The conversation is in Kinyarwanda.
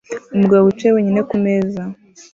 Umugabo wicaye wenyine kumeza